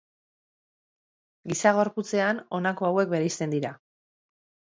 Giza gorputzean honako hauek bereizten dira.